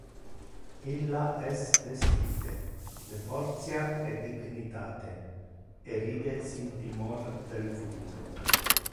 Illa es vestite de fortia e dignitate, e ride sin timor del futuro.